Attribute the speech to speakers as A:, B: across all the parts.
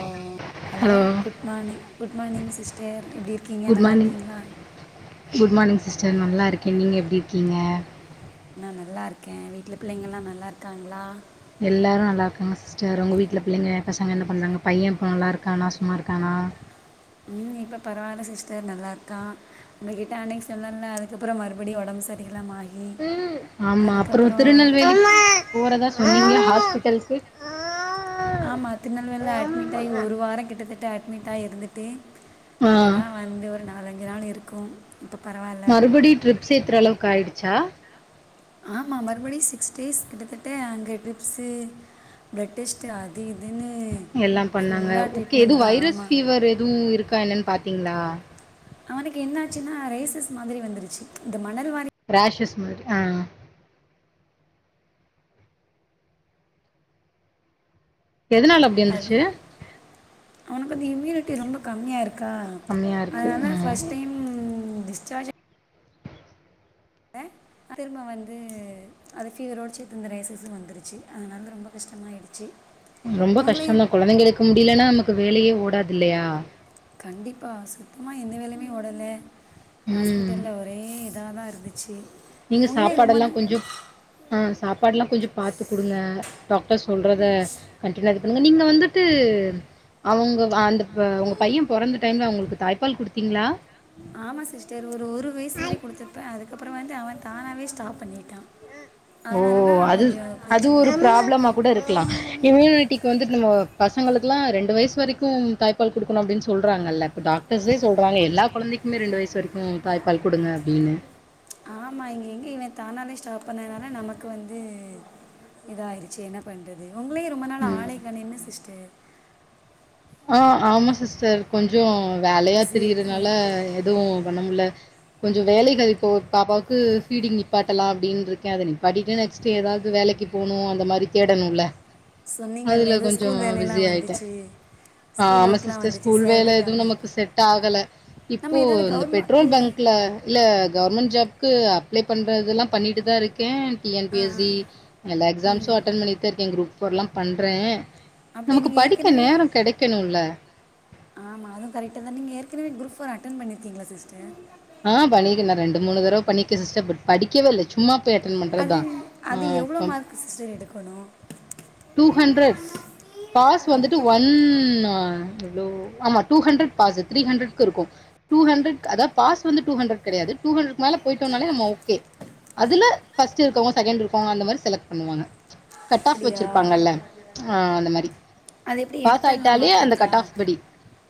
A: ஓ hello good morning good morning sister எப்டி இருக்கீங்க
B: good
A: நல்லா
B: மார்னிங்
A: இருக்கீங்களா
B: குட் மார்னிங் சிஸ்டர் நல்லா இருக்கே நீங்க எப்டி இருக்கீங்க
A: நா நல்லா இருக்கே வீட்ல பிள்ளைங்க எல்லா நல்லா இருக்காங்களா
B: எல்லாரு நல்லா இருக்காங்க சிஸ்டர் உங்க வீட்ல பிள்ளைங்க பசங்க என்ன பண்றாங்க பையன் இப்போ நல்லா இருக்கானா சும்மா இருக்கானா
A: ம் இப்ப பரவா இல்ல சிஸ்டர் நல்லா இருக்கா உங்ககிட்ட அன்னைக்கு சொன்னல அதுக்கப்புற மறுபடியு ஒடம்பு சரி இல்லாம ஆயி
B: ஆமா அப்புறோ திருநெல்வேலி போறதா சொன்னீங்க
A: ஆமாம்
B: ஹாஸ்பிட்டல்க்கு
A: ஆமா திருநெல்வேல்ல அட்மிட் ஆயி ஒரு வாரம் கிட்டத்தட்ட அட்மிட் ஆயி இருந்துட்டு
B: ஆ
A: இப்ப தா வந்து ஒரு நாலஞ்சு நாள் இருக்கு இப்ப பரவா இல்
B: மறுபடி ட்ரிப்ஸ் ஏத்துற அளவுக்கு ஆயிடுச்சா
A: ஆமா மறுபடி சிக்ஸ் டேஸ் கிட்டத்தட்ட அங்க ட்ரிப்ஸு ப்ளட் டெஸ்ட் அது இதுனு
B: எல்லா பண்ணாங்க ஓகே எதுவும் வைரஸ் ஃபீவர் எதுவு இருக்கா என்னன்னு பாத்தீங்களா
A: அவனுக்கு என்ன ஆச்சுன்னா ரைசஸ் மாதிரி வந்துருச்சு இந்த மணல் வாரி
B: ரேஷஸ் மாரி ஆ ஆ எதுனால
A: [unintelligible] அவனுக்கு வந்து இம்யூனிட்டி ரொம்ப கம்மியா இருக் க்க
B: கம்மியாக இருக்குது
A: அதனால
B: ம்
A: ஃபர்ஸ்ட் டைம் ம் டிஸ்சார்ஜ் அ அ திரும்ப வந்து அது ஃபீவரோடு சேந்து ரேஷேஷ் வந்துருச்சு அதனால ரொம்ப கஷ்டமாயிடுச்சு
B: ரொம்ப
A: உங்களையும்
B: கஷ்டம்தா குழந்தைகளுக்கு முடியலனா நமக்கு வேலயே ஓடாது இல்லையா
A: கண்டிப்பா சுத்தமா எந்த வேலயுமே ஓடல
B: ம்
A: ஹாஸ்பிட்டல ஒரே இதாதா இருந்துச்சு
B: நீங்க
A: உங்களே ரொம்ப
B: சாப்பாடெல்லா
A: ந-
B: கொஞ்சோ ஆஹ் சாப்பாடுல்லா கொஞ்சோ பாத்து கொடுங்க டாக்டர் சொல்றத கண்டினுவா இது பண்ணுங்க நீங்க வந்துட்டு அவங்க அந்த உங்க பையே பொறந்த டைம்ல அவங்களுக்கு தாய்ப்பால் கொடுத்தீங்ளா
A: ஆமா சிஸ்டர் ஒரு ஒரு வயசு வரயு கொடுத்துருப்பே அதுக்கப்புறோ வந்து அவே தானாவே ஸ்டாப் பண்ணிட்டா
B: ஓ
A: அதனாலதா
B: அது
A: கொஞ்சோ
B: அது ஒரு
A: பிரச்சனையாயிருச்சு
B: ப்ராப்ளமா கூட இருக்கலா இம்யூனிட்டிக்கு வந்து நம்ம பசங்களுக்லா ரெண்டு வயசு வரைக்கும் தாய்பா பால் கொடுக்கணு அப்படினு சொல்றாங்கல டாக்டர்ஸே சொல்றாங்க எல்லா குழந்தைக்குமே ரெண்டு வயசு வரைக்கு தாய் பால் கொடுங்க அப்டின்னு
A: ஆமா இங்கே இங்கே இவ தானாவே ஸ்டாப் பண்ணதுனால நமக்கு வந்து இதாயிருச்சு என்னா பண்ணுறது உங்களையு ரொம்ப நாள்
B: ம்
A: ஆளைக்கனின்னு சிஸ்டர்
B: ஆஹ் ஆமா சிஸ்டர் கொஞ்சோ வேலையா
A: பிஸி ஆகிட்டீங்க
B: திரியறனால எதுவு பண்ணமுல்ல கொஞ்சோ வேலைகள் இப்போ பாப்பாவுக்கு ஃபீடிங் நிப்பாட்டலா அப்டினு இருக்கே அத நிப்பாட்டிட்டு நெக்ஸ் கே எதாவது வேலைக்கு போணு அந்த மாரி தேடணுல
A: சொன்னீங்கல்ல
B: அதுல
A: ஏதோ
B: கொஞ்சோ
A: ஸ்கூல் வேலையெல்லாம்
B: பிஸியா ஆய்ட்டே
A: [inaudible]
B: ஆஹ் ஆமா
A: ஒர்க்லாம்
B: சிஸ்டர்
A: வந்துச்சு
B: ஸ்கூல்
A: சேலரி
B: வேல எதுவு
A: கம்மி
B: நமக்கு செட் ஆகல இப்போ
A: நம்ம ஏதாவது
B: இந்த
A: கவர்மெண்ட்
B: பெட்ரோல்
A: இல்லை
B: பங்க் இல்ல இல்ல கவர்மெண்ட் ஜாப்கு அப்ளை பண்றதுல்லா பண்ணிட்டு தா இருக்கே டி என்
A: ஆ
B: பி எஸ்
A: ஆ.
B: சி எல்லா எக்ஸாம்ஸு
A: ம்
B: அட்டன் பண்ணி தா இருக்கே குரூப் போர் லா பண்றே நமக்கு படிக்க நேரோ கிடைக்கணுல்ல
A: ஆமா அதுவு கரெக்டு தா நீங்க ஏற்கனவே குரூப் ஃபோர் அட்டென் பண்ணிருக்கீங்ளா சிஸ்டர்
B: ஆஹ் பண்ணிருக்கே நா ரெண்டு மூணு தடவ பண்ணிருக்கே சிஸ்டர் பட் படிக்கவே இல்ல சும்மா போய் அட்டன்
A: அது
B: பண்றதுதா
A: அது
B: ஆஹ்
A: எவ்வளோ மார்க் சிஸ்டர் எடுக்கணு
B: டூ ஹண்ட்ரட் பாஸ் வந்துட்டு
A: அப்படி
B: ஒன் அ ஆமா டூ ஹண்டர்ட் பாஸு த்ரீ ஹண்டர்ட்க்கு இருக்கு டூ ஹண்டர்ட்க்கு அதா பாஸ் வந்து டூ ஹண்டர்ட்க்கு கிடையாது [unintelligible] டூ ஹண்ட்ரட் மேல போயிட்டோனாலே நம்ம ஓகே அதுல ஃபர்ஸ்ட் இருக்கவங்க செகன்ட் இருக்கவங்க அந்த மாரி செலக்ட் பண்ணுவாங்க கட் ஆஃப்
A: அப்படியா
B: வச்சி ப்பாங்கல்ல ஆ அந்த மாரி
A: அது எப்படி
B: பாஸ்
A: எடுத்துடலாமா
B: ஆயிட்டாலே அந்த கட் ஆஃப்
A: கரெக்டாக
B: படி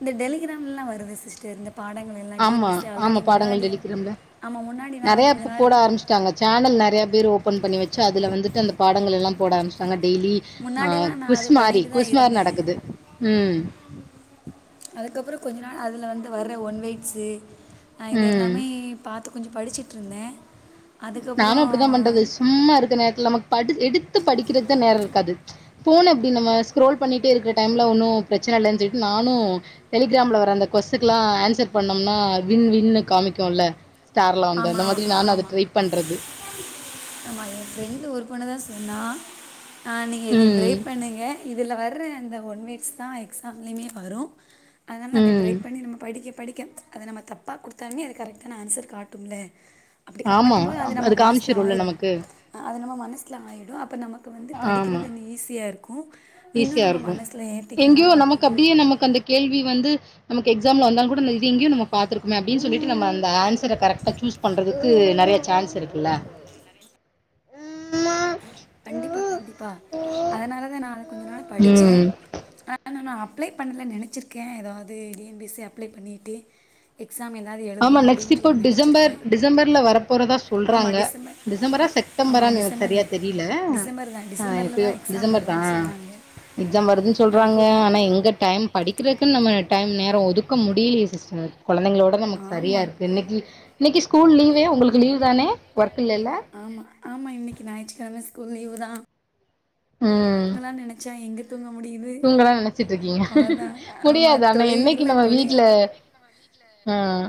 A: இந்த டெலிகிராம்லா வருதே சிஸ்டர் இந்த பாடங்கள் எல்லா டி. என். பி.
B: ஆமா,
A: எஸ். ஸி ஆல்ரெடி
B: ஆமா. பாடங்கள்
A: முன்னாடி
B: டெலிகிராம்ல.
A: ஆமா முன்னாடி நா வந்து [unintelligible]
B: ங்க சேனல் நிறைய பேர் ஓபன் பண்ணி வச்சு அதுல வந்துட்டு அந்த பாடல்கள் எல்லா போட ஆரம்பிச்சுட்டாங்க டெய்லி ஆஹ்
A: முன்னாடிலாம் நான் அது
B: குஸ்மாரி
A: பண்ணிட்டு தான்
B: குஸ்மாரி
A: இருந்தேன்
B: நடக்குது உம்
A: அதுக்கப்புறோ கொஞ்ச நாள் அதுல வந்து வர்ற ஒன் வெயிட்ஸு இது
B: ம்.
A: எல்லாமே பாத் கொஞ்சோ படிச்சிட்டுருந்தே
B: நானு அப்படித்தா பண்றது சும்மா இருக்க நேரத்துல நமக்கு படி எடுத்து படிக்கிறது தா நேரோ இருக்காது ஃபோன் அப்டி நம்ம ஸ்க்ரோல் பண்ணிகிட்டே இருக்கிற டைமில்ல ஒன்னு பிரச்சன இல்லன்னு சொல்லிட்டு நானு டெலிகிராம்ல வர அந்த கொஸ்ஸுக்கு ல்லா ஆன்சர் பண்ணோம்னா வின் வின்னு காமிக்குல்ல ஸ்டார்லா வந்து அந்த மாதிரி நானு அத ட்ரை பண்றது
A: ஆமா என் ஃப்ரெண்டு ஒர்க் பண்ணதா சொன்னா அ நீங்க இதை ட்ரை
B: ம்.
A: பண்ணுங்க இதில வர்ற அந்த ஒன் மீட்ஸ் தா எக்ஸாம்லயுமே வரு அதனால அத
B: ம்.
A: ட்ரை பண்ணி நம்ம படிக்க படிக்க அத நம்ம தப்பாக குடுத்தோனே அது கரெக்டான ஆன்சர் காட்டு க்கும்ல அப்டி
B: ஆமா.
A: காட்டும் போது அது நம்ம மனசுல
B: காமிச்சிரும்ல
A: ஆயிரு
B: நமக்கு.
A: அது நம்ம மனசில ஆயிடு அப்போ நமக்கு வந்து
B: ஆமா.
A: படிக்கிறது இன்னு ஈஸியாக இருக்கு இன்னு
B: ஈஸியா
A: நம்ம
B: இருக்கு
A: மனசுல ஏத்திக்லா
B: எங்கேயோ நமக்கு
A: அப்டின்டு
B: அப்டியே நமக்கு அந்த கேள்வி வந்து நமக்கு எக்ஸாம்ல வந்தாலு கூட இத எங்கியோ நம்ம பாத்திருக்குமே அப்டின் சொல்லிட்டு நம்ம அந்த ஆன்சர கரெக்டாக சூஸ் பண்ணுறதுக்கு நறைய சான்ஸ் இருக்குல
A: கண்டிப்பா கண்டிப்பா அதனாலதா நா அத கொஞ்ச நாள் படிச்ச
B: ம்
A: ந நா அப்ளை பண்லா நனச்சிருக்கே ஏதாவது T N P C apply பண்ணிட்டு எக்ஸாம் ஏதாவது
B: ஆமா
A: எழுதுவோம்
B: நெக்ஸ்ட்
A: அப்படின்னு
B: இப்போ
A: சொல்லி
B: டிசம்பர்
A: நெனச்சிருக்கேன்.
B: டிசம்பர்ல வரப்போறதா
A: ஆமா
B: சொல்றாங்க
A: டிசம்பர்
B: டிசம்பரா
A: ஆமா
B: செப்டம்பரானு சரியா
A: டிசம்பர்ல
B: தெரி தெரில
A: டிசம்பர் தான்
B: ஆ
A: டிசம்பர்ல
B: எப்போ
A: தான் எக்ஸாம்
B: டிசம்பர் தா
A: வருதுன்னு சொன்னாங்க.
B: எக்ஸாம் வருதுன் சொல்றாங்க
A: அதுக்குள்ள
B: ஆனா எங்க டைம் படிக்கறக்குன்னு நம்ம டைம் நேரோ ஒதுக்க முடிலியே சிஸ்டர் கொழந்தைங்ளோட தா சரியா
A: ஆமா.
B: இருக்கு இன்னைக்கி இன்னைக்கி ஸ்கூல் லீவே உங்களுக்கு லீவ் தானே ஒர்க் இல்லேல
A: ஆமா ஆமா இன்னைக்கி ஞாயிற்றுக்கிழம ஸ்கூல் லீவு தா
B: ம்
A: இதெல்லா நெனச்சா எங்க தூங்க முடியுது
B: இதலா நனைச்சிட்டு இருக்கீங்க
A: அவ்வளோதான். ஆமா
B: முடியாது ஆனா
A: தொழில்
B: என்னைக்கி
A: இல்ல
B: நம்ம வீட்ல
A: தொழில்
B: ம்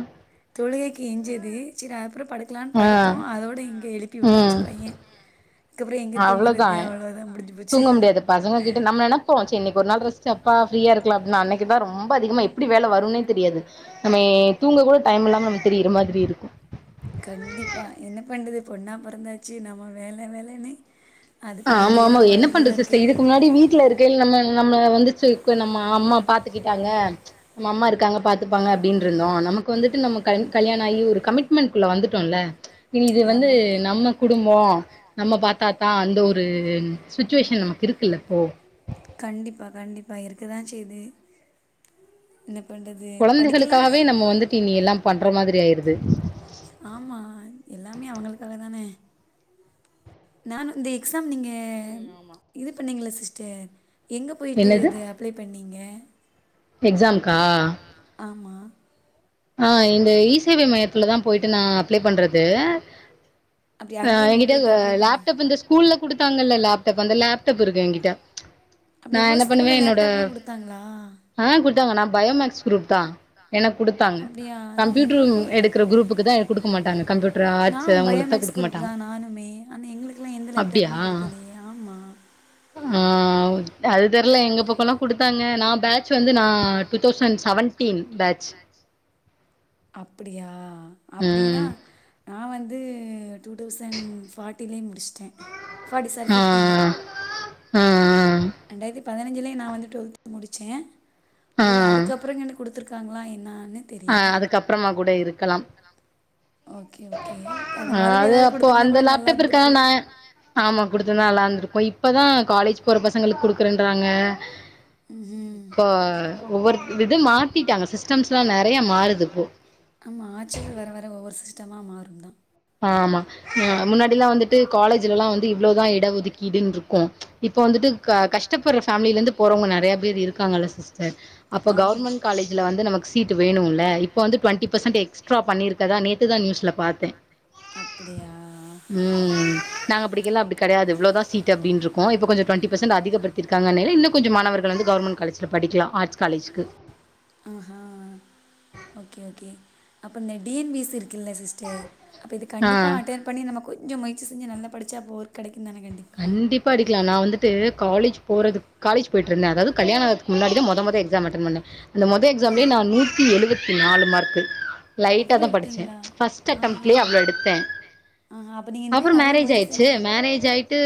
A: தொழுகைக்கு எஞ்சது செரி அப்புற படு படுக்லான்
B: ஆ
A: படுத்தோ அதோட இங்க எழுப்பி விட்டாச்சு
B: ம்
A: பையன் அதுக்கப்றோ எங்க
B: அவ்ளோதா
A: தூங்குறது அவ்ளோதா முடுஞ்சு போச்சு
B: தூங்க முடியாது பசங்க கிட்ட நம்ம நெனப்போ சேர் இன்னைக் ஒரு நாள் ரெஸ்ட்டு அப்பா ஃப்ரீயா இருக்லா அப்டின்னு அன்னைக்கு தா ரொம்ப அதிகமா எப்டி வேல வருன்னே தெரியாது நம்ம தூங்க கூட டைம் இல்லாம நம்ம திரிற மாதிரி இருக்கு
A: கண்டிப்பாக என்ன பண்ட்றது பொண்ணா பொறந்தாச்சு நம்ம வேல வேலன்னு
B: ஆமா ஆமா என்ன பண்றது சிஸ்டர் இதுக்கு முன்னாடி வீட்ல இருக் நம்ம நம்மள வந்துச்சு இப்ப நம்ம அம்மா பாத்துக்கிட்டாங்க நம்ம அம்மா இருக்காங்க பாத்துப்பாங்க அப்டின் இருந்தோ நமக்கு வந்துட்டு நம்ம கன் கல்யாண ஆயி ஒரு கமிட்மெண்ட்குள்ள வந்துட் டோல இனி இது வந்து
A: ஆமாம்
B: நம்ம குடும்போ நம்ம பாத்தா தா அந்த ஒரு ஒரு சிச்சுவேஷன் நமக்கு இருக்குல்ல இப்போ
A: கண்டிப்பா கண்டிப்பா இருக்கதா செய்து என்ன பண்றது
B: கொழந்தைகளுக்காகவே நம்ம வந்துட்டு இனி எல்லா பண்ற மாதிரி ஆயிருது
A: ஆமா எல்லாமே அவுங்களுக்காக தான நானு இந்த எக்ஸாம் நீங்க
B: ம் ஆமா
A: இது பண்ணீங்ளா சிஸ்டர் எங்க போயிட்டு
B: என்னது
A: இது அப்ளை பண்ணிங்க
B: எக்ஸாம்கா
A: ஆமா
B: ஆ இந்த இ சேவை மையத்துல தா போயிட்டு நா அப்ளை பண்றது
A: அப்படி
B: ஆ
A: அங்கேயே நம்ம
B: எனங்கிட்ட
A: போயிட்டு அப்ளை பண்ணு
B: லேப்டாப் இந்த ஸ்கூல்ல குடுத்தாங்கல்ல லேப்டாப்பு அந்த லேப்டாப் இருக்கு என்கிட்ட
A: அப்படி
B: நா
A: உங்களோட
B: என்ன பண்ணுவே
A: ஸ்கூலில்
B: என்னோட
A: லேப்டாப்லாம் கொடுத்தாங்களா
B: ஆ குட்டாங்க நா பயோமக்ஸ் குரூப் தா எனக் குடுத்தாங்க
A: அப்படியா
B: கம்ப்யூட்டர்
A: எங்களுக்கும்
B: எடுக்கிற குரூப்புக்கு தா எனக் குடுக்க மாட்டாங்க கம்ப்யூட்
A: நா பயோமேக்ஸ் குரூப் தா நானுமே ஆனா எங்ளுக்கெல்லா எந்த லேப்டாப்மே குடுக்கலையே ஆமா
B: ம் அது தெர்ல எங்க பக்கல்லா குடுத்தாங்க நா பேச் வந்து நா டூ தௌசண்ட் செவன்டீன் பேச்
A: அப்டியா அப்டின்னா
B: ம்
A: நா வந்து டூ தௌசண்ட் ஃபார்ட்டிலயே முடிச்ட்டேன் ஃபார்ட்டி சாரி
B: ஆ
A: ஃபிஃப்டில
B: ஆ
A: ரெண்டாயிரத்தி பதினஞ்சிலே நா வந்து டுவெல்த் முடிச்சன்
B: ஆ
A: ஒரு வேள அதுக்கப்றோ நாண்டு குடுத்துரு இருக்காங்ளா என்னானு
B: ஆ அதுக்கப்
A: அதுக்கப்புறமா கூட இருக்கலா ஓகே ஓகே அத மாதிரி
B: அது
A: எதாவது
B: அப்போ
A: குடுத்திருந்தா
B: அந்த
A: கூட நல்லா
B: லேப்டாப்
A: இருந்து
B: இருக்கனால
A: இருக்கு
B: நா ஆமா குடுத்திருந்தா நல்லா இருந்திருக்கு இப்பதான் காலேஜ் போற பசங்களுக்கு குடுக்கறன்றாங்க
A: ம்
B: கோ ஒவ்வொரு இது மாத்திட்டாங்க சிஸ்டம்ஸ்ல்லா நெறையா மாறுது இப்போ
A: ஆமா ஆட்சிகள் வர வர ஒவ்வொரு சிஸ்டமா மாறும்தான்
B: ஆமா ஆ முன்னாடி எல்லா வந்துட்டு காலேஜ்லலா வந்து இவ்ளதா இடஒதுக்கீடுன்று இருக்கு இப்ப வந்துட்டு க கஷ்டப்படற ஃபேமிலிந்து போறவங்க நெறையா பேர் இருக்காங்கல்ல சிஸ்டர் அப்போ
A: ஆமாம்
B: கவர்மென்ட் காலேஜ்ல வந்து நமக்கு சீட் வேணுல்ல இப்ப வந்து டுவெண்டி பெர்சன்ட் எக்ஸ்ட்ரா பண்ணிருக்கறதா நேத்துதா நியூஸ்ல பாத்தே
A: அப்படியா
B: ம் நாங்க படிக்கைல அப்டி கெடையாது இவ்ளதா சீட்டு அப்டின்று இருக்கு இப்ப கொஞ்சோ டுவெண்டி பெர்சன்ட் அதிகப் படுத்திருக்காங்கனு இன்னு கொஞ்சோ மாணவர்கள் வந்து கவர்மென்ட் காலேஜ்ல படிக்கலா ஆர்ட்ஸ் காலேஜ்க்கு
A: ஆஹா ஓகே ஓகே அப்ப இந்த T N P S C இருக்கல்ல சிஸ் ட்டு அப்ப இது கண்டிப்பா
B: ஆ
A: அட்டன் பண்ணி நம்ம கொஞ்சோ முயற்சி செஞ்சு நல்ல படிச்சா அப்போ ஒர்க் கெடைக்குந்தானே கண்டி
B: கண்டிப் ப்படிக்லா நா வந்துட்டு காலேஜ் போறது காலேஜ் போயிட்டுருந்தன் அதாவது கல்யாணத்துக்கு முன்னாடிதா மொத மொத எக்ஸாம் அட்டன் பண்ண அந்த மொத எக்ஸாம்லயே நா நூத்தி எழுவத்தி நாலு மார்க்கு
A: அவ்ளோ
B: லைட்டாதான் படிச்சன்
A: எடுத்தீங்களா
B: ஃபர்ஸ்ட்
A: ஆ ஆ
B: அட்டெம்ட்லயே அவ்ளோ எடுத்தேன்
A: ஆ அப்ப நீங்க இன்னு
B: அப்றோ
A: நல்லா
B: மேரேஜ்
A: முயற்சி
B: ஆயிருச்சு
A: செஞ்சா
B: மேரேஜ் ஆயி ட்டு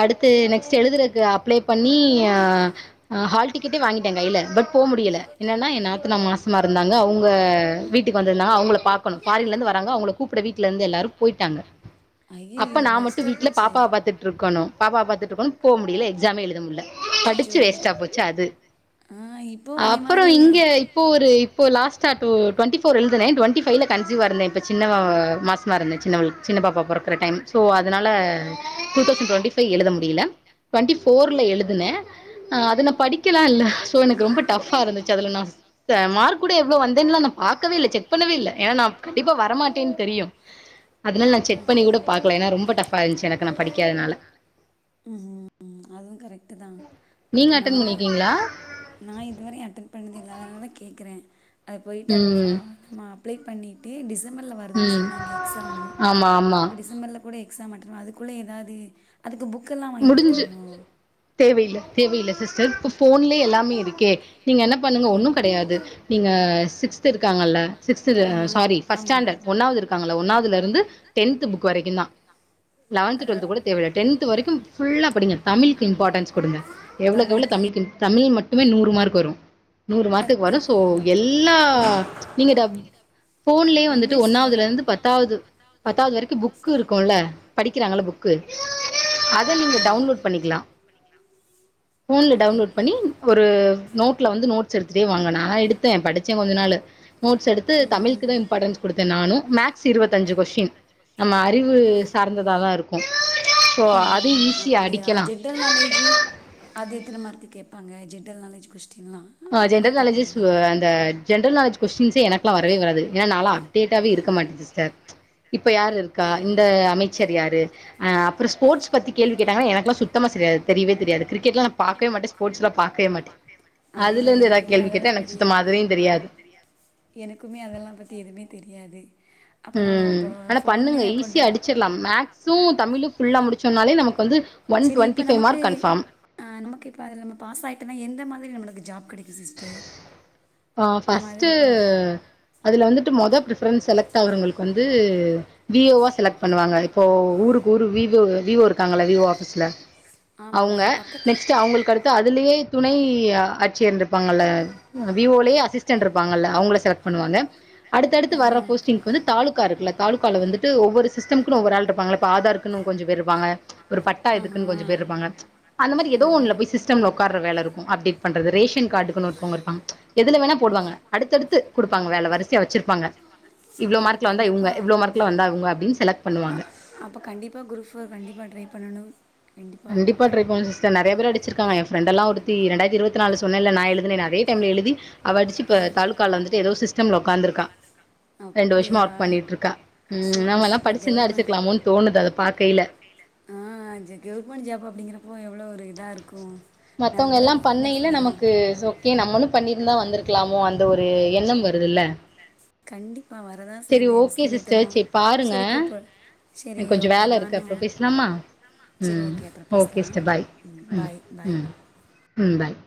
B: அடுத்து நெக்ஸ்ட் எழுதறக்கு அப்ளை பண்ணி அ ஹ ஹால் டிக்கெட்டே வாங்கிட்டே கைல பட் போ முடில என்னன்னா என் நாத்துனா மாச மா இருந்தாங்க அவுங்க வீட்டுக்கு வந்திந்தாங்க அவுங்கள பாக்கணு ஃபாரின்லிருந்து வராங்க அவுங்கள கூப்ட வீட்லிருந்து எல்லாரு போய்ட்டாங்க அப்ப
A: ஐயையோ
B: நா மட்டு
A: வேஸ்ட்டா
B: வீட்ல
A: போச்சே
B: பாப்பாவ பாத்து ட்டுருக்கணு பாப்பாவா பாத்துட்டு இருக்கணு போ முடில எக்ஸாமே எழுத முடில படிச்சு
A: அச்சச்சோ
B: வேஸ்ட்டா போச்சு அது
A: ஆ இப்பவு அதே
B: அப்றோ
A: மாரி
B: இங்க இப்போ ஒரு இ இப்போ லாஸ்ட்டா டு டுவெண்டி ஃபோர் எழுதுனேன் டுவெண்டி ஃபைவ்ல கன்சீவ்வா இருந்தேன் இப்ப சின்னவா மாசமா இருந்தேன் சின்னவளுக்கு சின்ன பாப்பா பொறக்கற டைம் சோ அதனால டூ தௌசண்ட் டுவெண்டி ஃபைவ் எழுத முடில டுவெண்டி ஃபோர்ல எழுதுன ஆ அது நா படிக்கலா இல்ல சோ எனக்கு ரொம்ப டஃபா இருந்துச்சு அதுல நா மார்க் கூட எவ்ளோ வந்தேன்னல்லா நா பாக்கவே இல்லை செக் பண்ணவே இல்லை ஏனா நா கண்டிப்பா வரமாட்டேன்னு தெரியு அதனால நா செக் பண்ணி கூட பாக்கல ஏனா ரொம்ப டஃபா இருஞ்ச்சு எனக்குனா
A: படிக்காதனால ம் ம் அதுவு கரெக்ட்டுதான்
B: நீங்க அட்டன் பண்னிருக்கீங்ளா
A: நா இதுவரையு அட்டன் பண்ணதில்ல அதனாலதா கேக்கறேன் அத போயிட்டு அப்ப
B: ம்.
A: ஃபார்ம் நம்ம அப்ளை பண்ணி ட்டு டிசம்பர்ல வருதுன்னு
B: ம்.
A: சொன்னாங்க எக்ஸாமு
B: ஆமா, ஆமா.
A: டிசம்பர்ல கூட எக்ஸாம் ஆட்டன் அதுக்குள்ள எதாது அதுக்கு புக் எல்லா வாங்கி படிக்கனுமோ
B: தேவையில்லை தேவையில்லை சிஸ்டர் இப்போ ஃபோன்லயே எல்லாமே இருக்கே நீங்க என்ன பண்ணுங்க ஒன்னு கெடையாது நீங்க சிக்ஸ்த் இருக்காங்கல்ல சிகஸ்த்
A: ஆமா,
B: சாரி ஃபர்ஸ்ட்
A: ஆமா.
B: ஸ்டாண்டர்ட் ஒன்னாவது இருக்காங்கல்ல ஒன்னாவதுல இருந்து டென்த் புக் வரைக்குந்தான் லெவன்த்
A: அதுல
B: டுவல்த் கூட தேவயில்லை டென்த் வரைக்கும் ஃபுல்லா படிங்க தமிழ்க்கு இம்பார்ட்டன்ஸ் குடுங்க எவ்ளோக்கு எவ்ளோ தமிழுக்கு தமிழ் ம ட்டுமே நூறு மார்க் வரு நூறு மார்க்குக்கு வரு சோ
A: இருக்கும்.
B: எல்லா
A: ஒன்
B: நீங்க போன்லயே
A: ஒன்
B: வந்துட்டு
A: வேர்ட்ஸ் வ
B: ஒன்னாவதுல இருந்து பத்தாவது பத்தாவது வரைக்கு புக்கு இருக்குல்ல படிக்கிறாங்கள புக்கு அத
A: ஆமா,
B: நீங்க
A: ஆமா.
B: டவுன்லோட் பண்ணிக்கலா
A: [inaudible]
B: போன்ல டவுன்லோட்
A: ஓகே
B: பண்ணி ஒரு நோட்ல வந்து நோட்ஸ் எடுத்டே வாங்க நா எடுத்தே படிச்சே கொஞ்ச நாளு நோட்ஸ் எடுத்து
A: ம்
B: தமிழுக்குதா
A: ம்
B: இம்பாட்டன்ஸ் குடுத்தே நானு மேக்ஸ் இருவத்தஞ்சு கொஸ்டின் நம்ம அறிவு சார்ந்ததா தா இருக்கு சோ
A: ம்
B: அது
A: ம்
B: ஈஸியா
A: அப்டியா
B: அடிக்கலா
A: ஜெ ன்டல் நாலேஜு அது எத்தன மார்க்கு கேப்பாங்க ஜென்டல் நாலேஜ் கொஸ்டின்லா
B: ஆ
A: அது மாரி
B: ஜென்ரல் நாலேஜஸ்
A: கேப்பாங்களா
B: ஓ அந்த ஜென்ரல் நாலேஜ் கொஸ்டின்ஸே எனக்குலா வரவே வராது ஏனா நாலா டேட்டாவே இருக்க மாட்டே சிஸ்டர் இப்ப யாரு இருக்கா இந்த அமைச்சர் யாரு அ அப்பறோ ஸ்போட்ஸ் பத்தி கேள்வி கேட்டாங்னா எனக்லா சுத்தமா செரியா தெரியவே தெரியாது கிரிகெட்லா நா பாக்கவே மாட்டே ஸ்போட்ஸ்லா பாக்கவே மாட்டே அதுல
A: அதேதா
B: இருந்து எதாது
A: எனக்குமே
B: கேள்வி
A: அதெல்லா
B: கேட்டா எனக்கு
A: தெரிய
B: சுத்தமா அதுலயு தெரியாது
A: எனக்குமே அதெல்லா பத்தி எதுவுமே தெரியாது அப்போ நம்ம ப ஃபோன்ல அப்ப டவுன்
B: முடிச்சிர்லாம் மேக்ஸு தமிழு புல்லா முடிச்சோனாலே நமக்கு வந்து ஒன்
A: சரி இப்ப
B: டுவென்டி பைவ்
A: நமக்கு
B: மார்க் கன்ஃபாம்
A: ஆ நமக் இப்ப அதுல நம்ம பாஸ் ஆயிட்டம்னா எந்த மாதிரி நமளுக்கு ஜாப் கெடைக்கு சிஸ்டர்
B: ஆ
A: நம்ம
B: பஃஸ்ட்டு
A: அதுல போ
B: அதுல வந்துட்டு மொத பிரிஃபரன்ஸ் செலக்ட் ஆகுறவங்களுக்கு வந்து வி ஏ ஓ செலக்ட் பண்ணுவாங்க இப்போ ஊருக்கு ஊரு விவோ விவோ இருக்காங்கள விவோ ஆபீஸ்ல
A: ஆமா ஆமா
B: அவங்க
A: இங்க பக்கத்து
B: நெக்ஸ்ட்டு அவங்ளுக்கடுத் து அதுலேயே துணை ஆட்சியர்ண்டு இருப்பாங்கல்ல வி ஓலயே அசிஸ்டன் இருப்பாங்கல்ல அவங்கள செலக்ட் பண்ணுவாங்க அடுத்தடுத்து
A: ஆஹா
B: வர போஸ்டிங் வந்து தாலுக்கா இருக்குல தாலுகால வந்துட்டு ஒவ்வொரு சிஸ்டம்க்னு ஒவ்வொரு ஆள் இருப்பாங்ள இப்ப ஆதார் க்குனு கொஞ்ச பேர் இருப்பாங்க ஒரு பட்டா
A: ஆஹா
B: எதுக்குன்னு கொஞ்ச பேர் இருப்பாங்க
A: வேலை
B: அந்த மாரி
A: பண்ணணும்.
B: எதோ
A: ஆஹா
B: ஒண்ல போய் சி்ஸ் டம்ல உக்கார்ற வேல இருக்கு அப்டேட் பண்றது ரேஷன் காட்டுக்குனு ஒருத்தங்க இருப்பாங்க எதுல வேணா போடுவாங்க அடுத்தடுத்து குடுப்பாங்க வேல வரிசையா வச்சிருப்பாங்க இவ்ளோ
A: அப்ப
B: மார்க்ல வந்தா இவங்க
A: கண்டிப்பா
B: இவ்ளோ மார்க்ல வந்த இவங்க அப்டினு செலக்ட் பண்ணுவாங்க
A: அப்போ கண்டிப்பா குரூப் ஃபோர் கண்டிப்பா ட்ரை பண்ணணு கண்டிப்பா
B: கண்டிப்பா ட்ரை பண்ணனு சி்ஸ்டர் நெறய பேர் அடிச்சிருக்காங்க எ ப்ஃரெண்டல்லா ஒருத்தி ரெண்டாயிரத்தி இருவத்தி நாலு சொன்னல்ல நா எழுதுனேனு அதே டைம்ல எழுதி அவ அடிச்சு இப்போ தாலுக்காவ்ல வந்துட்டு ஏதோ சிஸ்டம்ல உக்காந்துருக்கா ரெண்டு வருஷமா
A: அப்டியா
B: ஒர்க் பண்ணிட்ருக்கா ம்
A: சூப்பர்
B: நம்மல்லா
A: சூப்பர்
B: படிச்சிருந்தா
A: கெவர்மெண்ட்
B: அடிச்சுக்கலாமோனு தோணுது அத பாக்கையில
A: ஆ ஜ கவர்மெண்ட் ஜாப் அப்டிங்கிறப்போ எவ்ளோ ஒரு இதா இருக்கு
B: மத்தவங்கல்லா பண்ணையில நமக்கு சோ ஓகே நம்மளு பண்ணியிருந்தா வந்திருக்கலாமோ அந்த ஒரு எண்ணம் வருதுல்ல
A: கண்டிப் ப்பா வரதா
B: சரி
A: செய்து மிஸ்
B: ஓகே
A: பண்ணட்டோமா
B: சிஸ்டர் சரி பாருங்க.
A: சரி கூப்பர் செரி
B: எனக்கு கொஞ்சோ
A: ஓகே
B: வேல இருக்கு
A: நானு
B: அப்புறோ பேசலாமா?
A: சரி
B: ம்
A: ஓகே அப்றோ
B: ஓகே
A: பேசலா
B: சிஸ்டர் பாய்.
A: ம் பாய் பாய்
B: ம் பாய்